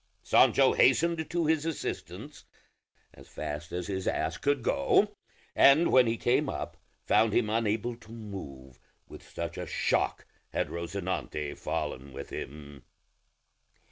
Sancho hastened to his assistance as fast as his ass could go, and when he came up found him unable to move, with such a shock had Rosinante fallen with him.